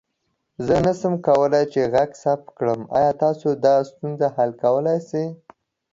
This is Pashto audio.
زه نسم کولى چې غږ ثبت کړم، آيا تاسو دا ستونزه حل کولى سې؟